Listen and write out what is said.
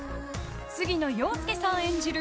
杉野遥亮さん演じる